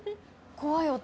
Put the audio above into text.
怖い音！